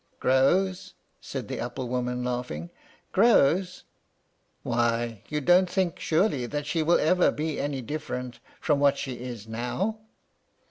"Grows!" said the apple woman, laughing. "Grows! Why you don't think, surely, that she will ever be any different from what she is now?"